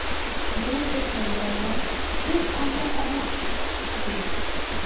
ھايال ئۆتمەي بىرەيلەن:« ھۇ قانخور ئەبلەخ!» دېدى.